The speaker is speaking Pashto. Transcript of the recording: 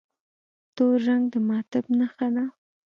تور رنګ د ماتم نښه ده.